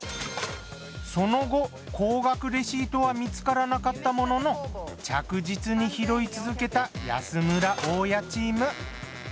その後高額レシートは見つからなかったものの着実に拾い続けた安村・大家チーム。